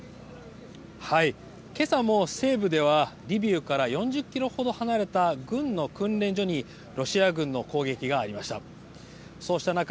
けさも西部ではリビウから４０ｋｍほど離れた軍の訓練所にロシア軍の攻撃がありました。